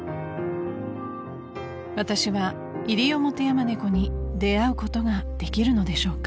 ［私はイリオモテヤマネコに出合うことができるのでしょうか？］